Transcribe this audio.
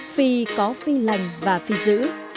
phi có phi lành và phi dữ